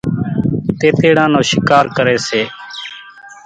تيتيڙان نو شِڪار ڪريَ سي۔